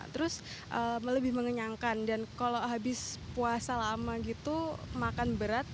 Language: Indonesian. terus lebih mengenyangkan dan kalau habis puasa lama gitu makan berat